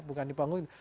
bukan dipanggung itu